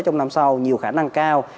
trong năm sau nhiều khả năng cao